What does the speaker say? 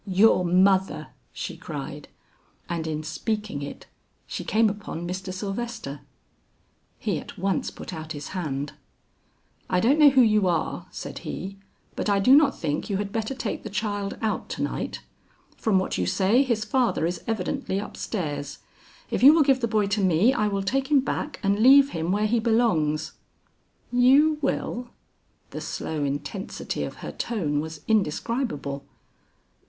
"Your mother!" she cried, and in speaking it, she came upon Mr. Sylvester. He at once put out his hand. "I don't know who you are," said he, "but I do not think you had better take the child out to night. From what you say, his father is evidently upstairs; if you will give the boy to me, I will take him back and leave him where he belongs." "You will?" The slow intensity of her tone was indescribable.